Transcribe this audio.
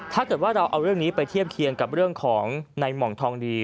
ถ้าเกิดว่าเราเอาเรื่องนี้ไปเทียบเคียงกับเรื่องของในหม่องทองดี